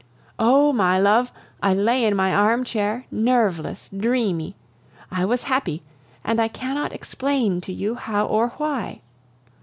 Oh! my love, I lay in my armchair, nerveless, dreamy. I was happy, and I cannot explain to you how or why.